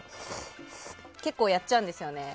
結構、やっちゃうんですよね。